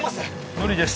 無理です